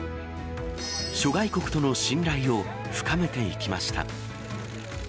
諸外国との信頼を深めていきました。